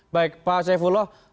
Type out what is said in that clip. baik pak aceh fuloh